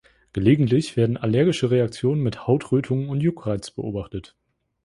Gelegentlich werden allergische Reaktionen mit Hautrötungen und Juckreiz beobachtet.